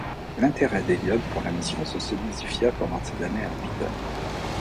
L'intérêt d'Elliot pour la mission se solidifia pendant ses années à Wheaton.